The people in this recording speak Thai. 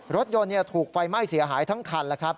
รถยนต์ถูกไฟไหม้เสียหายทั้งคัน